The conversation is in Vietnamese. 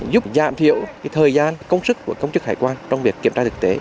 giúp giảm thiểu thời gian công sức của công chức hải quan trong việc kiểm tra thực tế